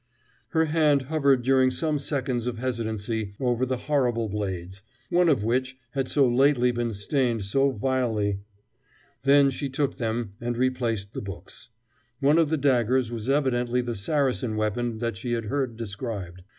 Her hand hovered during some seconds of hesitancy over the horrible blades, one of which had so lately been stained so vilely. Then she took them, and replaced the books. One of the daggers was evidently the Saracen weapon that she had heard described.